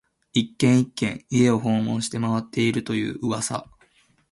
一軒、一軒、家を訪問して回っていると言う噂